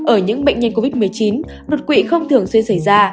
ở những bệnh nhân covid một mươi chín đột quỵ không thường xuyên xảy ra